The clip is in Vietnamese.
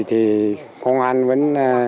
thì công an vẫn